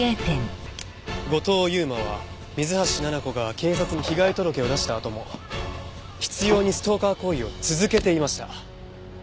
後藤佑馬は水橋奈々子が警察に被害届を出したあとも執拗にストーカー行為を続けていました。